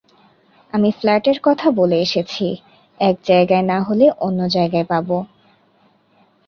আমি ফ্ল্যাটের কথা বলে আসছি, এক জায়গায় না হলে, অন্য জায়গায় পাবো।